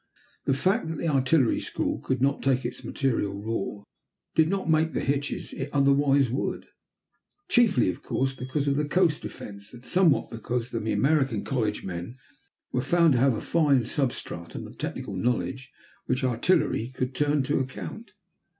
The fact that the artillery school could not take its material raw did not make the hitches it otherwise would, chiefly, of course, because of the coast defense, and somewhat because American college men were found to have a fine substratum of technical knowledge which artillery could turn to account.